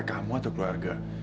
antara kamu atau keluarga